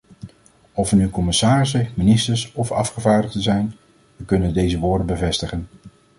Of we nu commissarissen, ministers of afgevaardigden zijn - we kunnen deze woorden bevestigen.